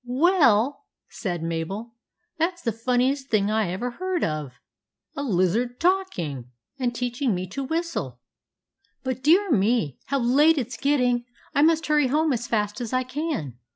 "Well!" said Mabel, "that's the fun niest thing I ever heard of. A lizard talk 8 THE ADVENTURES OF MABEL ing and teaching me to whistle ! But dear me ! how late it 's getting ! I must hurry home as fast as I can."